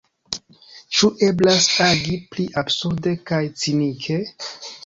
Ĉu eblas agi pli absurde kaj cinike?